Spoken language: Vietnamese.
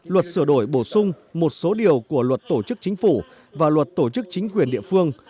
luật sửa đổi bổ sung một số điều của luật tổ chức chính phủ và luật tổ chức chính quyền địa phương